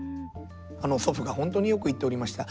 祖父が本当によく言っておりました。